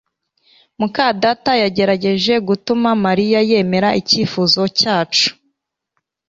muka data yagerageje gutuma Mariya yemera icyifuzo cyacu